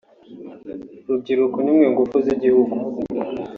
urubyiruko ni mwe ngufu z’igihugu